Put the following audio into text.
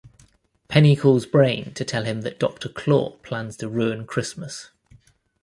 Penny calls Brain to tell him that Doctor Claw plans to ruin Christmas.